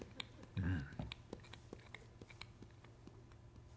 うん？